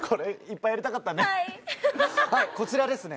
こちらですね。